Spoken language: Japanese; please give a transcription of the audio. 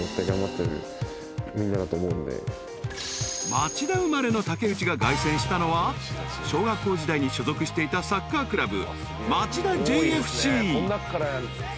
［町田生まれの竹内が凱旋したのは小学校時代に所属していたサッカークラブ］